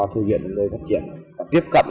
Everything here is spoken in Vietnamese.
thư viện đồng đô phát triển và tiếp cận